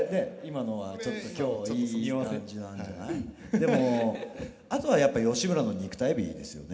でもあとはやっぱ義村の肉体美ですよね。